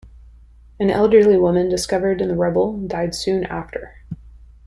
An elderly woman discovered in the rubble died soon after.